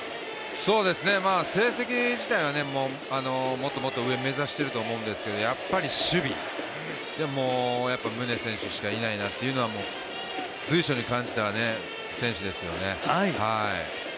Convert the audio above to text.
成績自体はもっともっと上目指していると思うんですけど、やっぱり守備、宗選手しかいないなというのは随所に感じた選手ですよね。